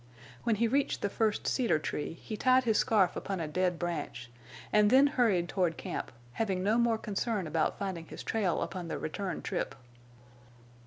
When he reached the first cedar tree, he tied his scarf upon a dead branch, and then hurried toward camp, having no more concern about finding his trail upon the return trip.